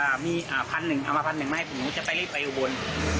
ถ้าไม่พอจริงก็เร็วไปบน